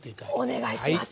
お願いします。